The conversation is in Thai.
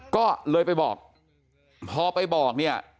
ก็เลยไปบอกพอไปบอกเนี่ย